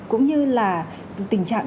cũng như là tình trạng